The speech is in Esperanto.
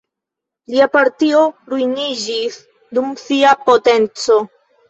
Lia partio ruiniĝis dum sia potenco.